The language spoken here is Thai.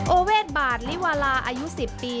โอเวทบาทลิวาลาอายุ๑๐ปี